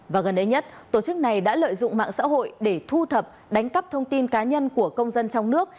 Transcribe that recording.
và gần đây nhất tổ chức này đã lợi dụng mạng xã hội để thu thập đánh cắp thông tin cá nhân của công dân trong nước